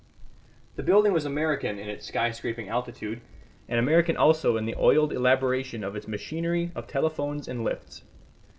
The building was American in its sky scraping altitude, and American also in the oiled elaboration of its machinery of telephones and lifts.